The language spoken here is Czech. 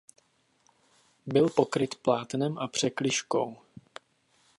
Byl pokryt plátnem a překližkou.